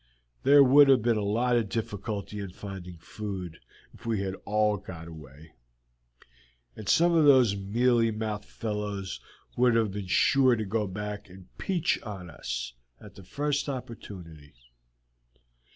There would have been a lot of difficulty in finding food if we had all got away, and some of those mealy mouthed fellows would have been sure to go back and peach on us at the first opportunity.